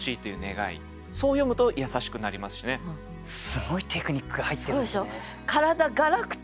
すごいテクニックが入ってるんですね。